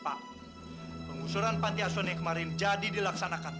pak penggusuran hantar panti asuan yang kemarin jadi dilaksanakan